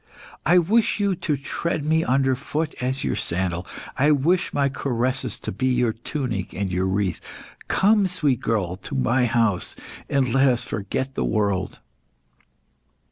I wish you to tread me under foot as a sandal; I wish my caresses to be your tunic and your wreath. Come, sweet girl! come to my house, and let us forget the world."